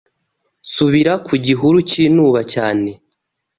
Subira ku gihuru cyinuba cyane